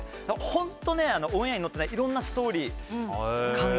本当オンエアに乗ってないいろんなストーリーが。